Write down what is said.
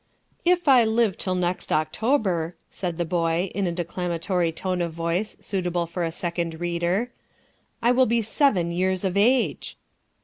"If I live till next October," said the boy, in a declamatory tone of voice suitable for a Second Reader, "I will be seven years of age."